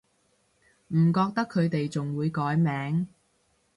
唔覺得佢哋仲會改名